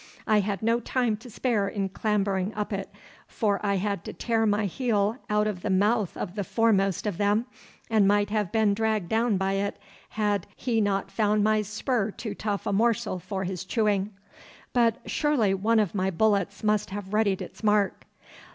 I had no time to spare in clambering up it, for I had to tear my heel out of the mouth of the foremost of them, and might have been dragged down by it had he not found my spur too tough a morsel for his chewing. But surely one of my bullets must have readied its mark.